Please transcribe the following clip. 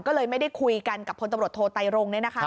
ก็เลยไม่ได้คุยกันกับพลตำรวจโทไตรรง